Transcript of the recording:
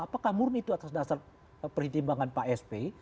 apakah murni itu atas dasar pertimbangan pak sp